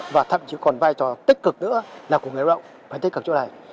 và thậm chí còn vai trò tích cực nữa là của người lao động phải tích cực chỗ này